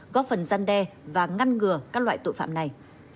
góp phần gian đe và ngăn ngừa các loại tội phạm này